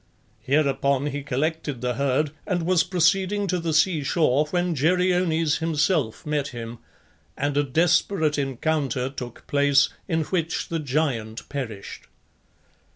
Hereupon he collected the herd, and was proceeding to the sea shore when Geryones himself met him, and a desperate encounter took place, in which the giant perished.